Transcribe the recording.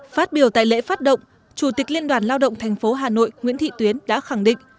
phát biểu tại lễ phát động chủ tịch liên đoàn lao động tp hà nội nguyễn thị tuyến đã khẳng định